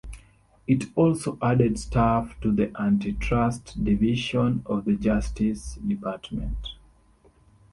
It also added staff to the Antitrust Division of the Justice Department.